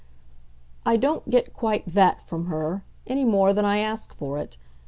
I don't get quite THAT from her, any more than I ask for it.